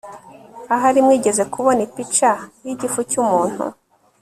Ahari mwigeze kubona ipica yigifu cyumuntu